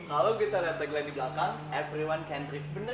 kalau kita renteng lain di belakang everyone can drift